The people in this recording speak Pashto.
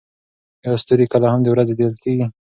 ایا ستوري کله هم د ورځې لیدل کیږي؟